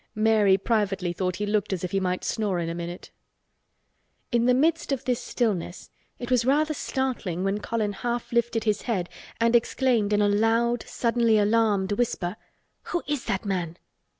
Mary privately thought he looked as if he might snore in a minute. In the midst of this stillness it was rather startling when Colin half lifted his head and exclaimed in a loud suddenly alarmed whisper: "Who is that man?"